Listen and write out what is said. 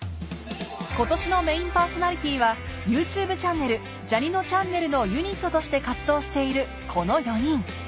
今年のメインパーソナリティーはＹｏｕＴｕｂｅチャンネル「ジャにのちゃんねる」のユニットとして活動しているこの４人